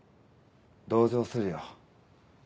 同情するよ。